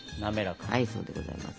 はいそうでございます。